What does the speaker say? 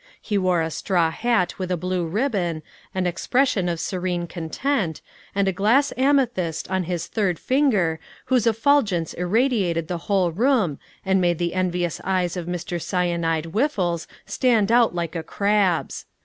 He wore a straw hat with a blue ribbon, an expression of serene content, and a glass amethyst on his third finger whose effulgence irradiated the whole room and made the envious eyes of Mr. Cyanide Whiffles stand out like a crab's.